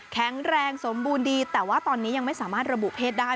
แข็งแรงสมบูรณ์ดีแต่ว่าตอนนี้ยังไม่สามารถระบุเพศได้